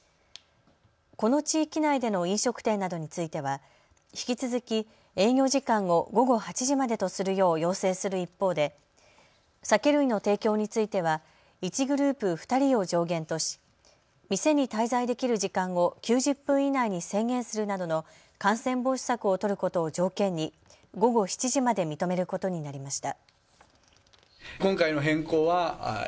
この地域内での飲食店などについては引き続き営業時間を午後８時までとするよう要請する一方で、酒類の提供については１グループ２人を上限とし、店に滞在できる時間を９０分以内に制限するなどの感染防止策を取ることを条件に午後７時まで認めることになりました。